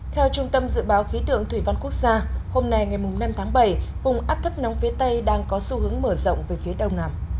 theo trung tâm dự báo khí tượng thủy văn quốc gia hôm nay ngày năm tháng bảy vùng áp thấp nóng phía tây đang có xu hướng mở rộng về phía đông nam